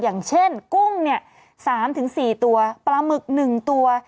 อย่างเช่นกุ้งเนี่ย๓๔ตัวปลาหมึก๑ตัว